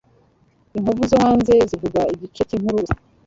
Inkovu zo hanze zivuga igice cyinkuru gusa.